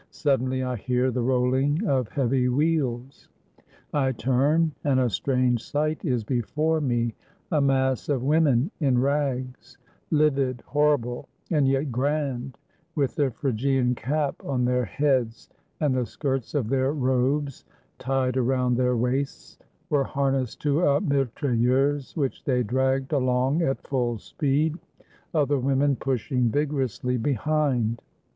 Suddenly I hear the rolling of heavy wheels; I turn, and a strange sight is before me — a mass of women in rags, Hvid, horrible, and yet grand, with the Phrygian cap on their heads, and the skirts of their robes tied around their waists, were harnessed to a mitrailleuse, which they dragged along at full speed; other women pushing vigorously 407 FRANCE behind.